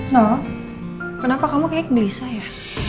noh kenapa kamu kayak gelisah ya